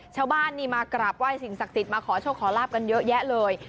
ชาวบ้านนี่มากราบไห้สิ่งศักดิ์สิทธิ์มาขอโชคขอลาบกันเยอะแยะเลย